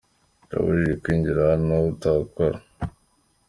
Birabujijwe kwinjira hano utahakora.